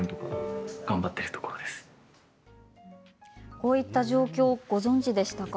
こういった状況ご存じでしたか？